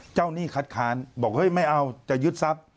เจ้านี่คัดค้านบอกไม่เอาจะยึดทรัพย์